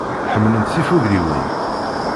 Ḥemmlent tifugliwin.